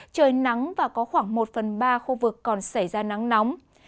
trời nắng và có khoảng một phần ba khu vực còn xảy ra nắng nóng